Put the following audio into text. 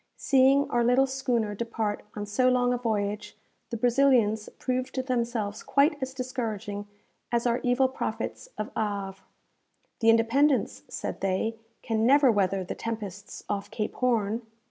Seeing our little schooner depart on so long a voyage, the Brazilians proved themselves quite as discouraging as our evil prophets of Havre. "The 'Independence,'" said they, "can never weather the tempests off Cape Horn!"